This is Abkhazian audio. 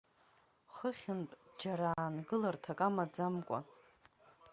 Хыхьынтә, џьара аангыларҭак амаӡамкәа.